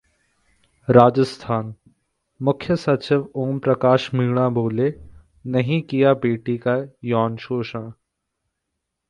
राजस्थानः मुख्य सचिव ओम प्रकाश मीणा बोले- नहीं किया बेटी का यौन शोषण